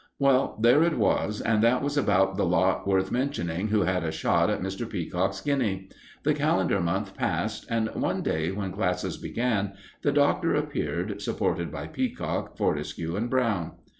Well, there it was, and that was about the lot worth mentioning who had a shot at Mr. Peacock's guinea. The calendar month passed, and one day, when classes began, the Doctor appeared, supported by Peacock, Fortescue, and Brown.